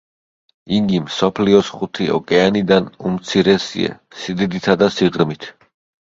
იგი მსოფლიოს ხუთი ოკეანიდან უმცირესია სიდიდითა და სიღრმით.